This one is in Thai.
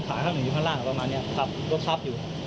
ข้างหนึ่งอยู่ข้างล่างประมาณนี้ครับรถทับอยู่